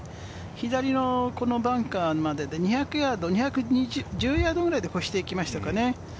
左のバンカーまでで２１０ヤードぐらいで越していきましたかね。